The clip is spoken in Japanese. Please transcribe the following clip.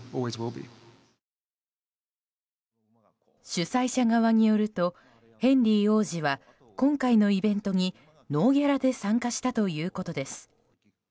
主催者側によるとヘンリー王子は今回のイベントにノーギャラで参加したということです。